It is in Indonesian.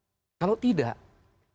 contoh mereka sering curhat minta tolong